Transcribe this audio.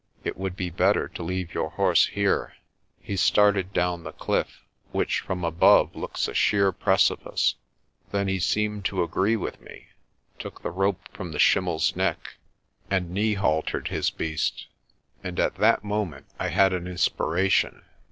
It would be better to leave your horse here." He started down the cliff, which from above looks a sheer precipice. Then he seemed to agree with me, took the rope from the schlmmeVs neck, and knee haltered his beast. And at that moment I had an inspiration.